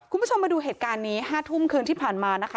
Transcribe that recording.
คุณผู้ชมมาดูเหตุการณ์นี้๕ทุ่มคืนที่ผ่านมานะคะ